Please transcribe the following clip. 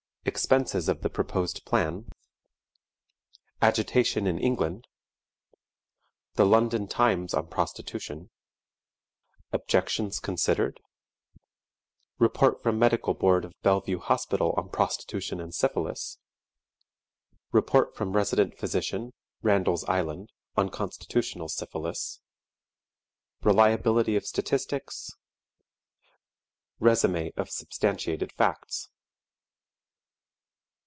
Expenses of the proposed Plan. Agitation in England. The London Times on Prostitution. Objections considered. Report from MEDICAL BOARD OF BELLEVUE HOSPITAL on Prostitution and Syphilis. Report from RESIDENT PHYSICIAN, RANDALL'S ISLAND, on Constitutional Syphilis. Reliability of Statistics. Resumé of substantiated Facts.